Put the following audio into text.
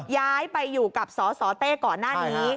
ย้ายไปอยู่กับสสเต้ก่อนหน้านี้